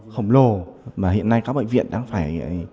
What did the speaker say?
khổng lồ mà hiện nay các bệnh viện đang phải